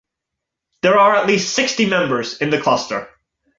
There are at least sixty members in the cluster.